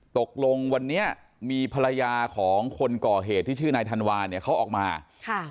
ตกลงวันนี้มีภรรยาของคนก่อเหตุที่ชื่อนายธันวาเนี่ยเขาออกมาค่ะ